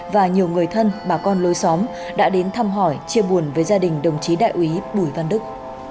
và nhiều người thân bà con lối xóm đã đến thăm hỏi chia buồn với gia đình đồng chí đại quý bùi văn đức